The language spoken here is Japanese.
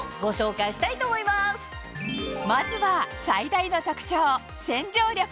まずは最大の特徴洗浄力